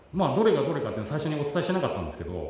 どれがどれかって最初にお伝えしてなかったんですけど。